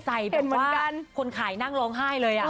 ใส่แบบว่าคนขายนั่งร้องไห้เลยอะ